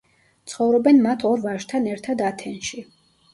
ცხოვრობენ მათ ორ ვაჟთან ერთად ათენში.